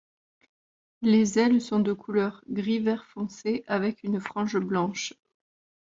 Les ailes sont de couleur gris vert foncé avec une frange blanche.